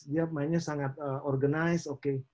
dia mainnya sangat organisasi